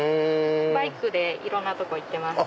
バイクでいろんな所行ってます。